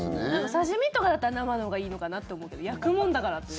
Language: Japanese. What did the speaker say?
刺し身とかだったら生のほうがいいのかなって思うけど焼くもんだからっていう。